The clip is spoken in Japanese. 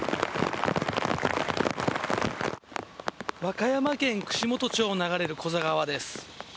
和歌山県串本町を流れる古座川です。